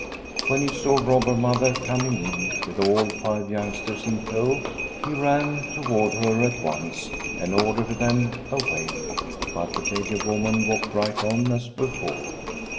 When he saw Robber Mother coming in, with all five youngsters in tow, he ran toward her at once and ordered them away. But the beggar woman walked right on as before.